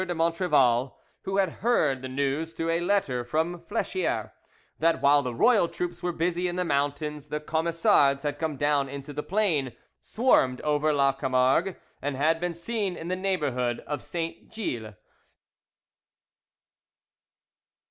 de Montrevel, who had heard the news through a letter from Flechier, that while the royal troops were busy in the mountains the Camisards had come down into the plain, swarmed over La Camargue, and had been seen in the neighbourhood of Saint Gilles.